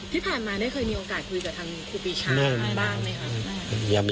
ที่ผ่านมาได้เคยมีโอกาสคุยกับทางครูปีชาบ้างไหมคะ